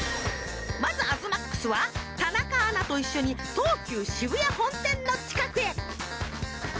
まず東ＭＡＸは田中アナと一緒に東急渋谷本店の近くへ。